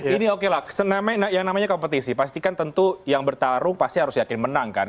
ini oke lah yang namanya kompetisi pastikan tentu yang bertarung pasti harus yakin menang kan